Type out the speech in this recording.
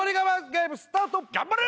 ゲームスタート頑張れ！